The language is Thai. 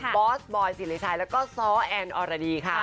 บอสบอยสิริชัยแล้วก็ซ้อแอนอรดีค่ะ